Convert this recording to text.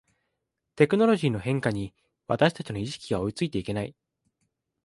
テクノロジーの変化に私たちの意識が追いついていけない